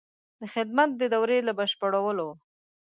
د خدمت د دورې له بشپړولو.